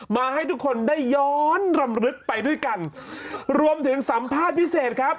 มาให้ทุกคนได้ย้อนรำลึกไปด้วยกันรวมถึงสัมภาษณ์พิเศษครับ